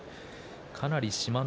かなり志摩ノ